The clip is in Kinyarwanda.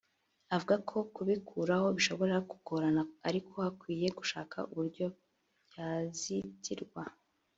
Avuga ko kubikuraho bishobora kugorana ariko hakwiye gushaka uburyo byazitirwa